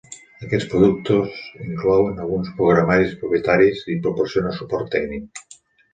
Aquests productes inclouen alguns programaris propietaris, i proporciona suport tècnic.